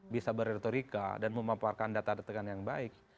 bisa berretorika dan memaparkan data data yang baik